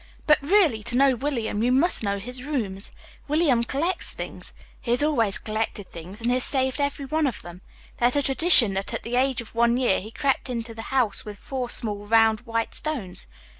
But really to know William, you must know his rooms. William collects things. He has always collected things and he's saved every one of them. There's a tradition that at the age of one year he crept into the house with four small round white stones.